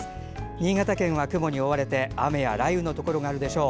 新潟県は雲に覆われて雨や雷雨のところがあるでしょう。